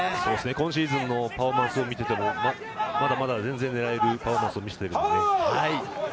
今シーズンのパフォーマンスを見ていても、まだまだ全然狙えるパフォーマンスを見せています。